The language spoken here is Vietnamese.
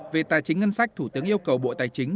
về tài chính ngân sách thủ tướng yêu cầu bộ tài chính